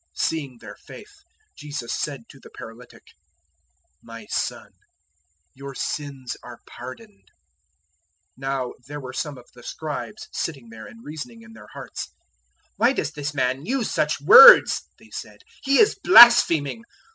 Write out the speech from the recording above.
002:005 Seeing their faith, Jesus said to the paralytic, "My son, your sins are pardoned." 002:006 Now there were some of the Scribes sitting there, and reasoning in their hearts. 002:007 "Why does this man use such words?" they said; "he is blaspheming.